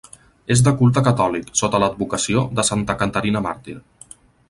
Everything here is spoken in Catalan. És de culte catòlic, sota l'advocació de Santa Caterina Màrtir.